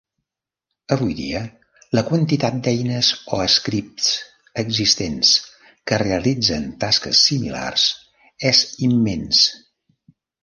Avui dia la quantitat d'eines o scripts existents, que realitzen tasques similars, és immens.